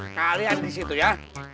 kalian di situ ya